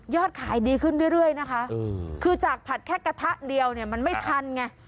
ขายดีขึ้นเรื่อยนะคะคือจากผัดแค่กระทะเดียวเนี่ยมันไม่ทันไง